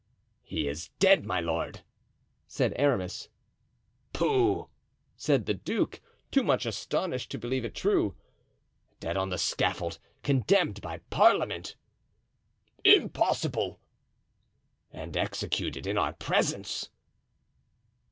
"He is dead, my lord!" said Aramis. "Pooh!" said the duke, too much astonished to believe it true. "Dead on the scaffold; condemned by parliament." "Impossible!" "And executed in our presence."